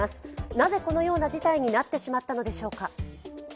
なぜ、このような事態になってしまったのでしょうか。